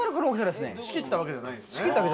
仕切ったわけじゃない。